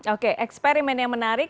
oke eksperimen yang menarik